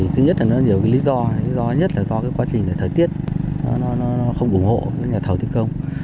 thứ nhất là nó nhiều lý do lý do nhất là do quá trình thời tiết nó không ủng hộ nhà thầu thi công